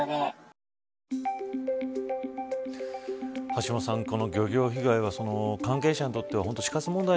橋下さん、この漁業被害は関係者にとっては、本当死活問題